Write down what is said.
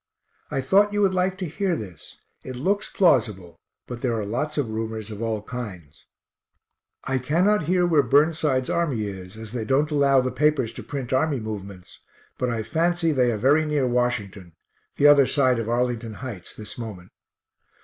I thought you would like to hear this; it looks plausible, but there are lots of rumors of all kinds. I cannot hear where Burnside's army is, as they don't allow the papers to print army movements, but I fancy they are very near Washington, the other side of Arlington heights, this moment.